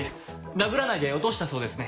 殴らないで落としたそうですね。